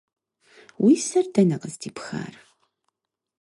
Уи сэр дэнэ къыздипхар?